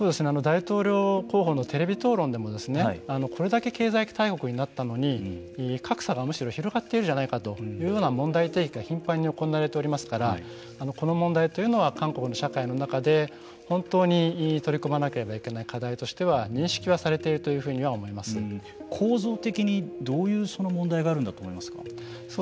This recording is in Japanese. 大統領候補のテレビ討論でもこれだけ経済大国になったのに格差がむしろ広がっているじゃないかという問題提起が頻繁に行われていますからこの問題というのは韓国の社会の中で本当に取り組まなければいけない課題としては認識はされているというふうには構造的にどういう問題があるんだと思いますか。